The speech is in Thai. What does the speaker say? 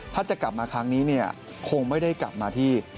ถ้าจะกลับมาครั้งนี้เนี่ยคงไม่ได้กลับมาที่